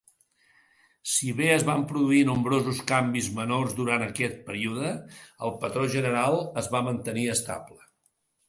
Si bé es van produir nombrosos canvis menors durant aquest període, el patró general es va mantenir estable.